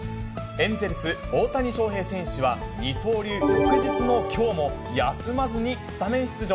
エンゼルス、大谷翔平選手は、二刀流翌日のきょうも、休まずにスタメン出場。